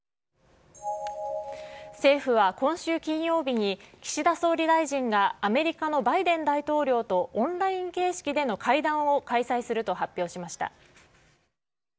政府は今週金曜日に、岸田総理大臣がアメリカのバイデン大統領とオンライン形式での会談を開催すると発表しました。